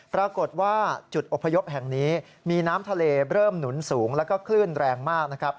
ปรากฏว่าจุดอพยพแห่งนี้มีน้ำทะเลเริ่มหนุนสูงแล้วก็คลื่นแรงมากนะครับ